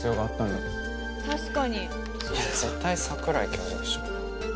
絶対桜井教授でしょ。